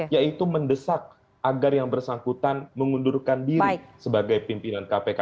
yaitu mendesak agar yang bersangkutan mengundurkan diri sebagai pimpinan kpk